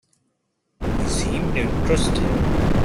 He seemed interested.